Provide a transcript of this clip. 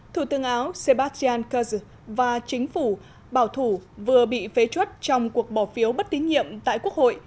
thủ tướng áo sebastian kurz và chính phủ bảo thủ vừa bị phế chuất trong cuộc bỏ phiếu bất tín nhiệm tại quốc hội